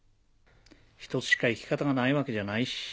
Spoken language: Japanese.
１つしか生き方がないわけじゃないし。